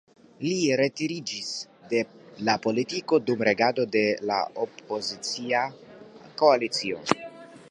Li retiriĝis de la politiko dum regado de la opozicia koalicio.